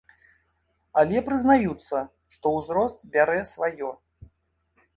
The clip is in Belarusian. Але прызнаюцца, што ўзрост бярэ сваё.